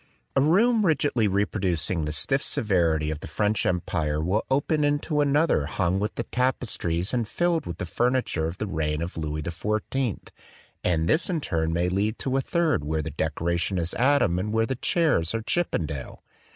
A room rigidly reproducing the stiff severity of the French Empire will open into another hung with the tapestries and filled with the furniture of the reign of Louis XIV; and this in turn may lead into a third where the decora tion is Adam and where the chairs are Chippen dale.